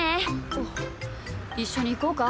おっいっしょにいこうか？